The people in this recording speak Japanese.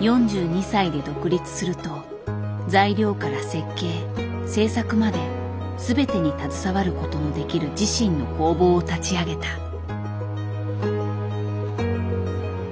４２歳で独立すると材料から設計製作まで全てに携わることのできる自身の工房を立ち上げた。